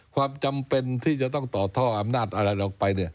ความจำเป็นที่จะต้องต่อท่ออำนาจอะไรออกไป